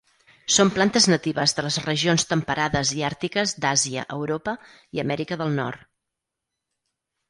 Són plantes natives de les regions temperades i àrtiques d'Àsia, Europa i Amèrica del Nord.